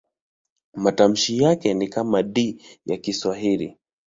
Matamshi yake ni kama D ya Kiswahili.